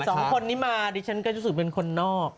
สองคนนี้มาดิฉันก็รู้สึกเป็นคนนอก